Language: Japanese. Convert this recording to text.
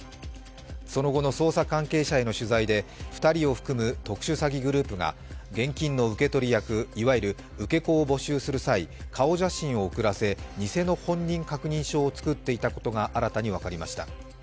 その後の捜査関係者への取材で２人を含む特殊詐欺グループが現金の受け取り約、いわゆる受け子を募集する際、顔写真を送らせにせの本人確認証を作っていたことが新たに分かりました。